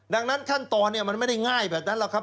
ดังนั้นขั้นตอนมันไม่ได้ง่ายแบบนั้นหรอกครับ